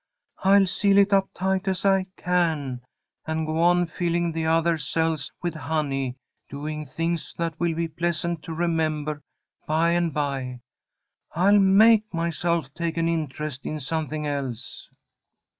I'll seal it up tight as I can, and go on filling the other cells with honey, doing things that will be pleasant to remember by and by. I'll make myself take an interest in something else!"